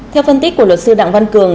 theo phân tích của luật sư đặng văn cường